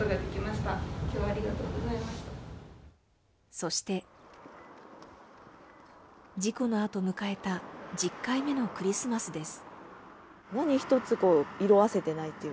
そして、事故のあと迎えた１０回目のクリスマスです。